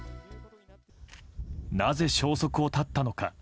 なぜ消息を絶ったのか。